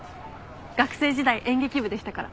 学生時代演劇部でしたから。